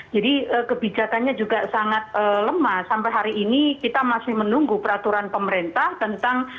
jadi kebijakannya juga sangat lemah sampai hari ini kita masih menunggu peraturan pemerintah tentang